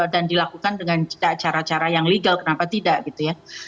dan dilakukan dengan cara cara yang legal kenapa tidak gitu ya